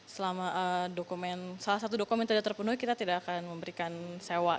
selama dokumen salah satu dokumen tidak terpenuhi kita tidak akan memberikan sewa